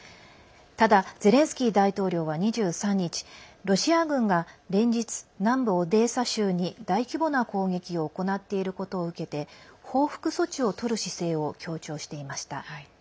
ただゼレンスキー大統領は２３日ロシア軍が連日、南部オデーサ州に大規模な攻撃を行っていることを受けて報復措置をとる姿勢を強調していました。